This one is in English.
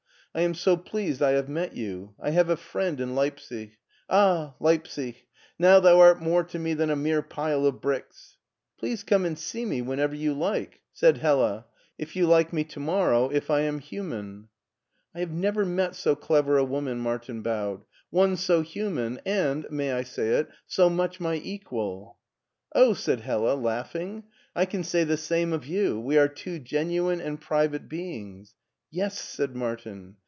" I am so pleased I have met you ; I have a friend in Leipsic ! Ah ! Leipsic, now thou art more to me than a mere pile of bricks.'* " Please come and see me whenever you like, said 130 MARTIN SCHULER Hella; " if you like me to morrow, if I am human." " I have never met so clever a woman "— ^Martin bowed —" one so human and — ^may I say it ?— so much my equal." " Oh !" said Hella, laughing, " I can say the same of you. We are two genuine and private beings." '' Yes," said Martin.